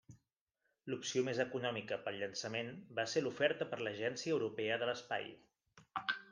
L'opció més econòmica per al llançament va ser l'oferta per l'Agència Europea de l'Espai.